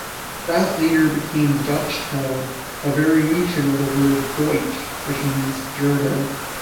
That later became Dutchtown, a variation of the word "Deutsch," which means German.